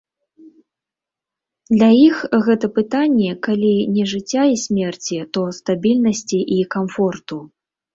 Для іх гэта пытанне калі не жыцця і смерці, то стабільнасці і камфорту.